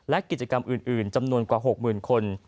และกิจกรรมอื่นจำนวนกว่า๖๐๐๐คน